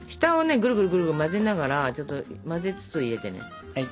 グルグルグルグル混ぜながらちょっと混ぜつつ入れてね。